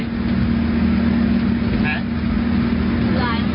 ถีกตรงเต้าหน่อย